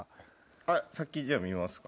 先じゃあ見ますか？